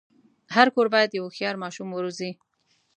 هر کور باید یو هوښیار ماشوم وروزي.